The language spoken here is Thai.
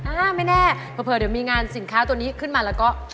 อ่าไม่แน่เผลอเดี๋ยวมีงานสินค้าตัวนี้ขึ้นมาแล้วก็